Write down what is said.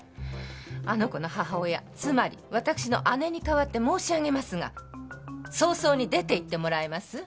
あの子の母親つまりわたくしの姉に代わって申し上げますが早々に出て行ってもらえます？